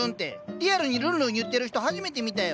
リアルにるんるん言ってる人初めて見たよ。